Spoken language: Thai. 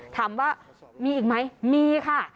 ถามว่ามีอีกไหมมีค่ะ